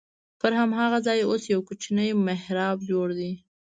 پر هماغه ځای اوس یو کوچنی محراب جوړ دی.